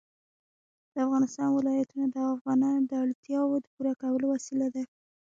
د افغانستان ولايتونه د افغانانو د اړتیاوو د پوره کولو وسیله ده.